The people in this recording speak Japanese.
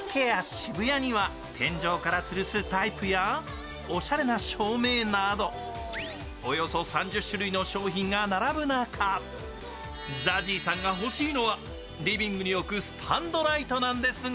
渋谷には天井からつるすタイプやおしゃれな照明など、およそ３０種類の商品が並ぶ中、ＺＡＺＹさんがほしいのはリビングに置くスタンドライトなんですが